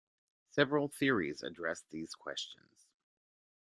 Several theories address these questions.